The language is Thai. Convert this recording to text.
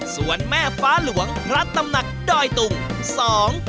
ส่วนแม่ฟ้าหลวงพระตำหนักดอยตุงสอง